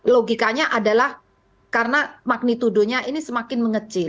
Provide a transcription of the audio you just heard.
logikanya adalah karena magnitudonya ini semakin mengecil